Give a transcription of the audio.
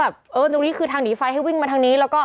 ตรงนี้คือทางหนีไฟให้วิ่งมาทางนี้แล้วก็